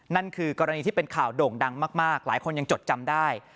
นั่นคือกรณีที่เป็นข่าวโด่งดังมากหลายคนยังจดจำได้